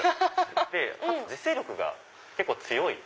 自生力が結構強い。